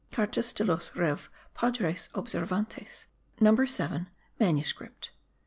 Cartas de los Rev Padres Observantes Number 7 manuscript.